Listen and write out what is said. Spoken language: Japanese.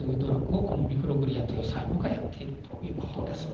このミクログリアという細胞がやっているということです。